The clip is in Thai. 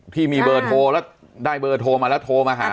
ที่มีเบอร์โทรแล้วได้เบอร์โทรมาแล้วโทรมาหา